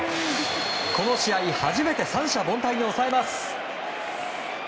この試合初めて三者凡退に抑えます。